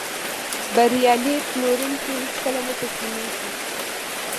بریالی پلورونکی هیڅکله نه تسلیمېږي.